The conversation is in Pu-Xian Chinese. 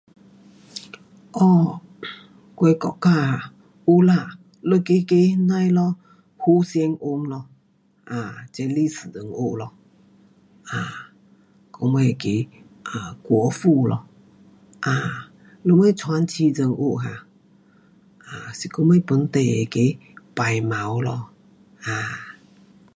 um 我的国家啊，有啦，那个个那样的咯，Hussein Onn 咯，这历史人物咯，啊，我们那个啊，国父咯，啊，下尾传奇人物哈？，啊是我们本地那个白毛咯。啊，